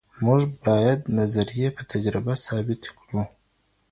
موږ باید نظریې په تجربه ثابتې کړو.